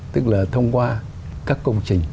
tức là thông qua các công trình